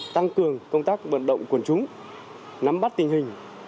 tăng cường công tác vận động quần chúng nắm bắt tình hình